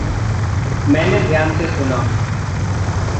मैंने ध्यान से सुना।